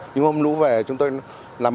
nhưng hôm lũ về chúng tôi làm ôm